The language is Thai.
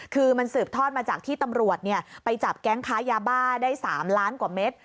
คือมันสืบทอดมาจากที่ตำรวจไปจับแก๊งค้ายาบ้าได้๓ล้านกว่าเม็ด